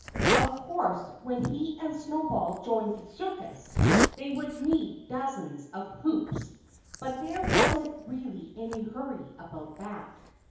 Of course when he and Snowball joined the circus they would need dozens of hoops. But there wasn't really any hurry about that.